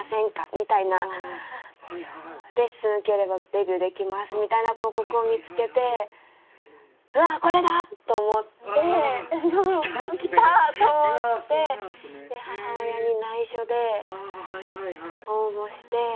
みたいなレッスン受ければデビューできますみたいな広告を見つけてうわっこれだ！と思ってきた！と思って母親にないしょで応募して。